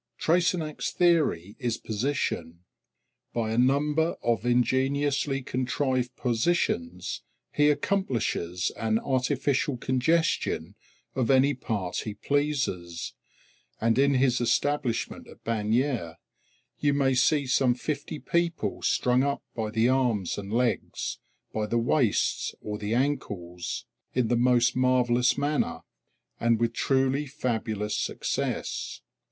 Treysenac's theory is position. By a number of ingeniously contrived positions he accomplishes an artificial congestion of any part he pleases; and in his establishment at Bagnères you may see some fifty people strung up by the arms and legs, by the waists or the ankles, in the most marvellous manner, and with truly fabulous success.